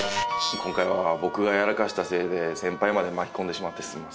今回は僕がやらかしたせいで先輩まで巻き込んでしまってすみません。